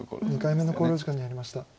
大西七段２回目の考慮時間に入りました。